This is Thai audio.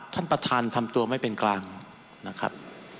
ท่านประธานทำตัวไม่เป็นกลางนะครับ